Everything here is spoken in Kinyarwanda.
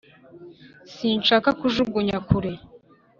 sinshaka kujugunya kure.